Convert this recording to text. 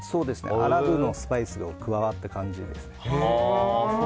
アラブのスパイスが加わった感じですね。